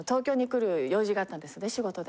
仕事で。